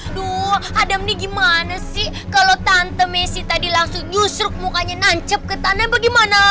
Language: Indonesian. aduh adam ini gimana sih kalau tante messi tadi langsung nyusruk mukanya nancep ke tanah bagaimana